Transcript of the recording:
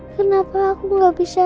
kenapa aku gak bisa